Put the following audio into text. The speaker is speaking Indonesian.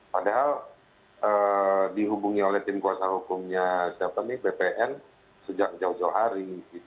padahal dihubungi oleh tim kuasa hukumnya bpn sejak jauh jauh hari